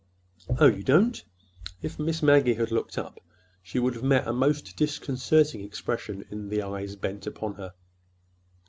"Oh, you don't!" If Miss Maggie had looked up, she would have met a most disconcerting expression in the eyes bent upon her.